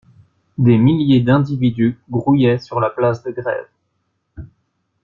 Des milliers d'individus grouillaient sur la place de Grève.